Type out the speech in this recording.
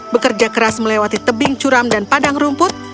bekerja keras melewati tebing curam dan padang rumput